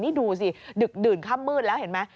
นี่ดูสิดึกดื่นค่ำมืดแล้วเห็นไหม